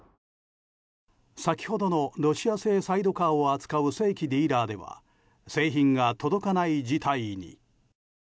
先ほどのロシア製サイドカーを扱う正規ディーラーでは製品が届かない事態に。